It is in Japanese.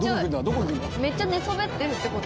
めっちゃ寝そべってるって事？